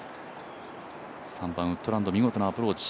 ３番ウッドランド、見事なアプローチ。